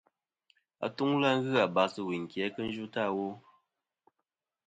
Atuŋlɨ ghɨ abas ɨ wuyn ki a kɨ yvɨtɨ awo.